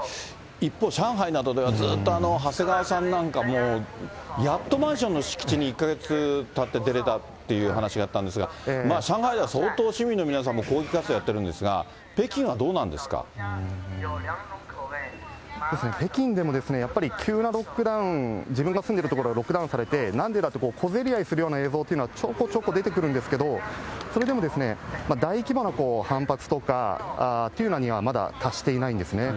一方、上海などではずっと長谷川さんなんかも、やっとマンションの敷地に１か月たって出れたっていう話があったんですが、上海では相当市民の皆さんも抗議活動をやってるんですが、北京は北京でもですね、やっぱり急なロックダウン、自分が住んでる所がロックダウンされてなんでかっていうと、小競り合いするような映像というのは、ちょこちょこ出てくるんですけど、それでも大規模な反発とかというのにはまだ達していないんですね。